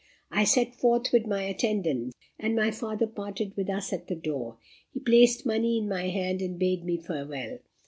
I set forth with my attendant, and my father parted with us at the door. He placed money in my hand, and bade me farewell!